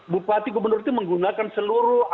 bupati gubernur itu menggunakan seluruh